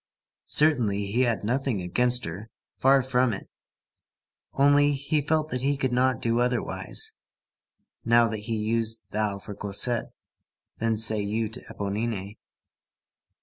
Certainly, he had nothing against her. Far from it. Only, he felt that he could not do otherwise, now that he used thou to Cosette, than say you to Éponine.